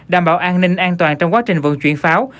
đảm bảo an ninh an toàn trong quá trình vận chuyển pháo